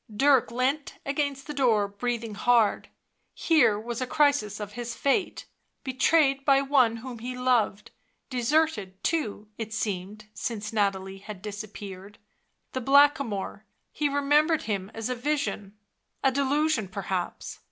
Dirk leant against the door, breathing hard. Here was a crisis of his fate ; betrayed by one whom, he loved, deserted, too, it seemed, since Nathalie had disappeared ... the Blackamoor ... he remembered him as a vision ... a delusion perhaps.